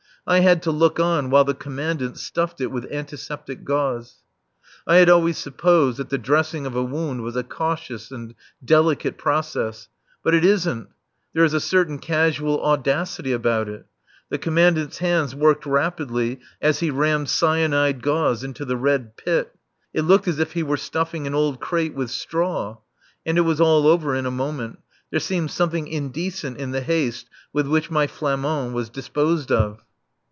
I had to look on while the Commandant stuffed it with antiseptic gauze. I had always supposed that the dressing of a wound was a cautious and delicate process. But it isn't. There is a certain casual audacity about it. The Commandant's hands worked rapidly as he rammed cyanide gauze into the red pit. It looked as if he were stuffing an old crate with straw. And it was all over in a moment. There seemed something indecent in the haste with which my Flamand was disposed of.